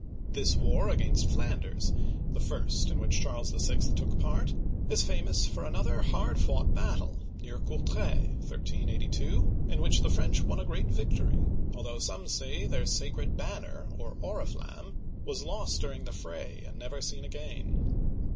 This war against Flanders — the first in which Charles VI. took part — is famous for another hard fought battle, near Courtrai (1382), in which the French won a great victory, although some say their sacred banner, or oriflamme, was lost during the fray and never seen again.